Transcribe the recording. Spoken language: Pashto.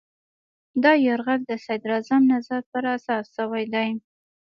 دا یرغل د صدراعظم نظر په اساس شوی دی.